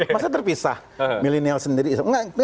masa terpisah milenial sendiri